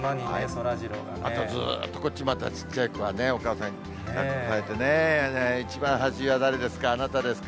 あとずっとこっち、まだちっちゃい子がね、お母さんにだっこされてね、一番端は誰ですか、あなたですか？